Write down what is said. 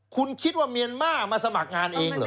คุณคิดว่าเมียนมาร์มาสมัครงานเองเหรอ